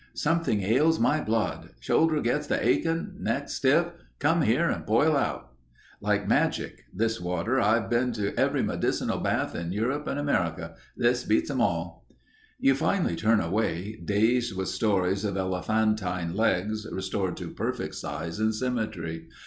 "Something ails my blood. Shoulder gets to aching. Neck stiff. Come here and boil out" ... "Like magic—this water. I've been to every medicinal bath in Europe and America. This beats 'em all." You finally turn away, dazed with stories of elephantine legs, restored to perfect size and symmetry.